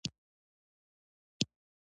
ایا ستاسو تصویر به یادګار نه شي؟